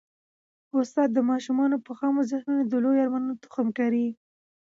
استاد د ماشومانو په خامو ذهنونو کي د لویو ارمانونو تخم کري.